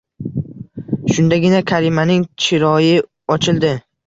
Shundagina Karimaning chiroyi ochildi